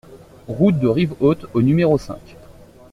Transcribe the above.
Route de Rivehaute au numéro cinq